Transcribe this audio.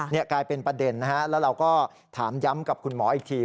นี่กลายเป็นประเด็นนะฮะแล้วเราก็ถามย้ำกับคุณหมออีกที